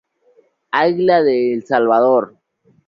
Águila de El Salvador.